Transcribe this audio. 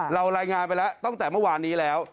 เรารายงานไปแล้วตั้งแต่เมื่อวานนี้แล้ว